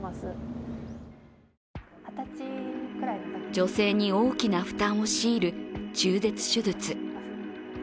女性に大きな負担を強いる中絶手術。